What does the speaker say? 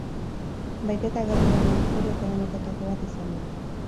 Bahiketa gerrilla honen iturri ekonomikoetako bat izan da.